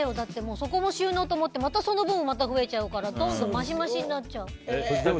その分収納だと思ってその分、また増えちゃうからどんどんましましになっちゃう。